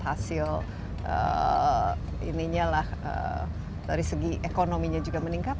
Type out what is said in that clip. hasil ininya lah dari segi ekonominya juga meningkat